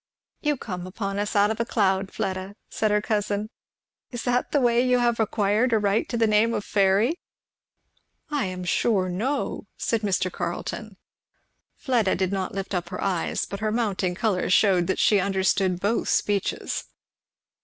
"You come upon us out of a cloud, Fleda," said her cousin. "Is that the way you have acquired a right to the name of Fairy?" "I am sure, no," said Mr. Carleton. Fleda did not lift up her eyes, but her mounting colour shewed that she understood both speeches.